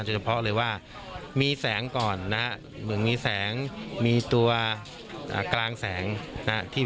เฉพาะเลยว่ามีแสงก่อนนะฮะเหมือนมีแสงมีตัวกลางแสงนะฮะ